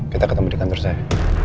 kita ketemu di kantor saya